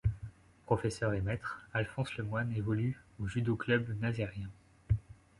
Professeur et maître, Alphonse Lemoine évolue au Judo Club Nazairien.